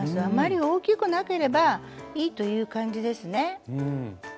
あまり大きくなければいいという感じですね。